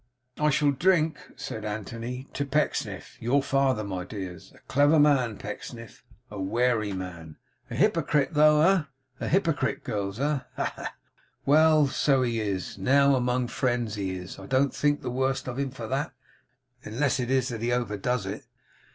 'I shall drink,' said Anthony, 'to Pecksniff. Your father, my dears. A clever man, Pecksniff. A wary man! A hypocrite, though, eh? A hypocrite, girls, eh? Ha, ha, ha! Well, so he is. Now, among friends, he is. I don't think the worse of him for that, unless it is that he overdoes it.